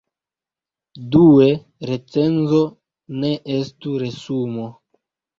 Due, recenzo ne estu resumo.